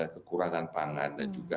kekurangan pangan dan juga